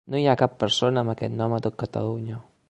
“No hi ha cap persona amb aquest nom a tot Catalunya”.